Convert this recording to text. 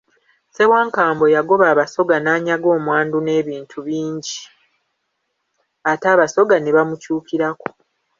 Ssewankambo yagoba Abasoga n'anyaga omwandu n'ebintu bingi, ate Abasoga ne bamukyukirako.